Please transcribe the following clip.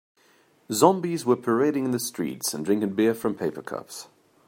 Zombies were parading in the streets and drinking beer from paper cups.